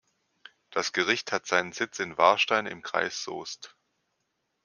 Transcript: Das Gericht hat seinen Sitz in Warstein im Kreis Soest.